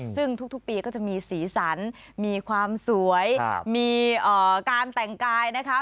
ซึ่งทุกปีก็จะมีสีสันมีความสวยมีการแต่งกายนะคะ